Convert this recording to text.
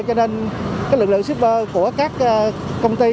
cho nên lực lượng shipper của các công ty